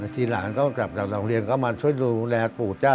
ที่หลานก็กลับจากโรงเรียนก็มาช่วยดูแลปู่เจ้า